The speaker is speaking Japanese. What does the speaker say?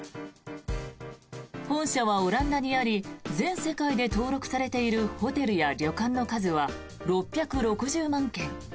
本社はオランダにあり全世界で登録されているホテルや旅館の数は６６０万件。